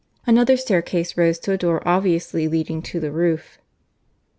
Another staircase rose to a door obviously leading to the roof.